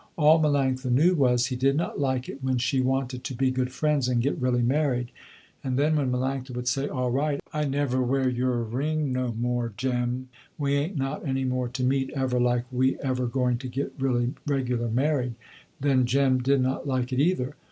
All Melanctha knew was, he did not like it when she wanted to be good friends and get really married, and then when Melanctha would say, "all right, I never wear your ring no more Jem, we ain't not any more to meet ever like we ever going to get really regular married," then Jem did not like it either.